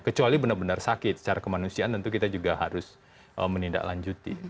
kecuali benar benar sakit secara kemanusiaan tentu kita juga harus menindaklanjuti